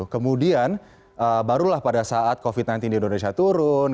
kemudian barulah pada saat covid sembilan belas di indonesia turun